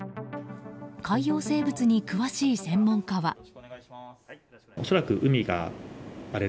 海洋生物に詳しい専門家は。